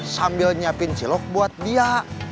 sambil nyiapin cilok buat dia